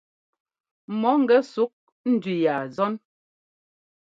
Mɔ ŋgɛ ɛsuk ndʉ ya zɔ́n.